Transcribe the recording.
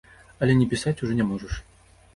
Але не пісаць ужо не можаш.